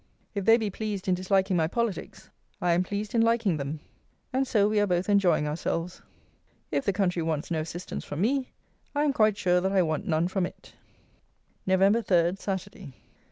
If they be pleased in disliking my politics, I am pleased in liking them; and so we are both enjoying ourselves. If the country wants no assistance from me, I am quite sure that I want none from it. _Nov. 3. Saturday.